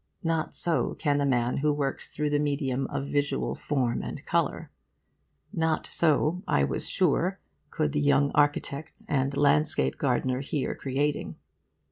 Not so can the man who works through the medium of visual form and colour. Not so, I was sure, could the young architect and landscape gardener here creating.